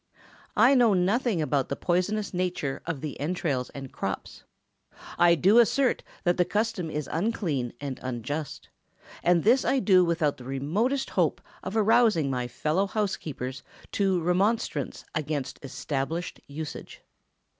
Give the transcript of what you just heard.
I know nothing about the poisonous nature of the entrails and crops. I do assert that the custom is unclean and unjust. And this I do without the remotest hope of arousing my fellow housekeepers to remonstrance against established usage.